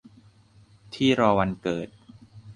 ที่รอวันเกิด